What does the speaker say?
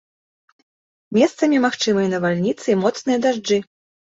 Месцамі магчымыя навальніцы і моцныя дажджы.